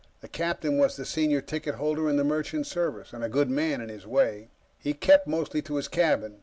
The captain was the senior ticket holder in the Merchant Service, and a good man, in his day. He kept mostly to his cabin.